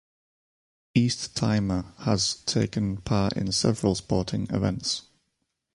East Timor has taken part in several sporting events.